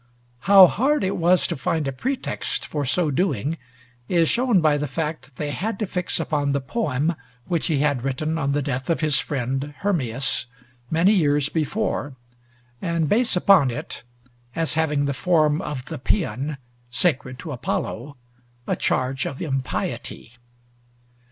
How hard it was to find a pretext for so doing is shown by the fact that they had to fix upon the poem which he had written on the death of his friend Hermias many years before, and base upon it as having the form of the paean, sacred to Apollo a charge of impiety.